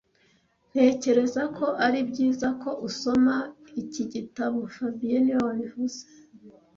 Ntekereza ko ari byiza ko usoma iki gitabo fabien niwe wabivuze